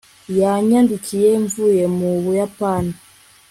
yanyandikiye mvuye mu buyapani